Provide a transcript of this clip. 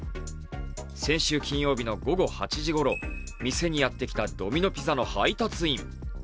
先週金曜日の午後８時ごろ、店にやって来たドミノ・ピザの配達員。